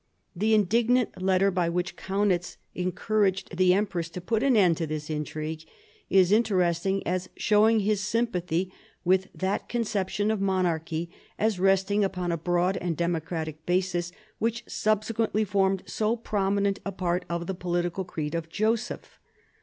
The indignant letter by which Kaunitz encouraged the empress to put an end to this intrigue is interesting as showing his sympathy with that conception of monarchy, as resting upon a broad and democratic basis, which subsequently formed so prominent a part of the political creed of Joseph.